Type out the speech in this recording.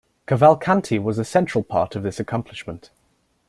Cavalcanti was a central part of this accomplishment.